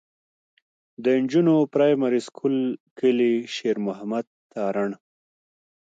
د نجونو پرائمري سکول کلي شېر محمد تارڼ.